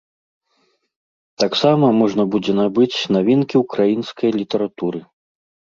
Таксама можна будзе набыць навінкі ўкраінскай літаратуры.